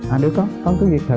à được đó con cứ dịp thử